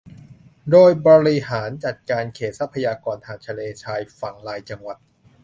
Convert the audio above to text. โดยบริหารจัดการเขตทรัพยากรทางทะเลชายฝั่งรายจังหวัด